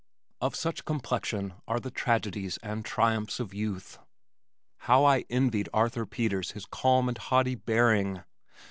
Of such complexion are the tragedies and triumphs of youth! How I envied Arthur Peters his calm and haughty bearing!